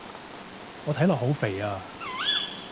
我睇落好肥啊